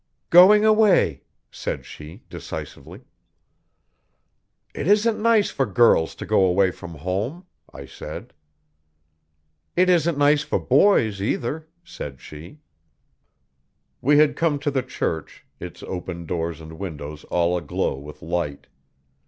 'Going away,' said she decisively. 'It isn't nice for girls to go away from home,' I said. 'It isn't nice for boys, either,' said she. We had come to the church, its open doors and windows all aglow with light.